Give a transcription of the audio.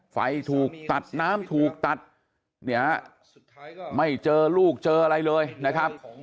ไฟถูกตัดน้ำถูกตัดเนี่ยไม่เจอลูกเจออะไรเลยนะครับ